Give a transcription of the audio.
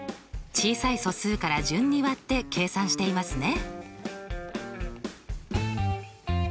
小さい素数から順に割って計算していますね。